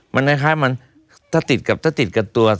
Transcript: มันคล้ายมันถ้าติดกับ